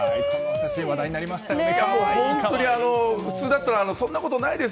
写真、話題になりましたよね。